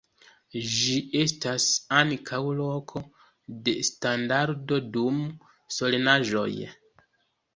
Ĝi estas ankaŭ loko de standardo dum solenaĵoj.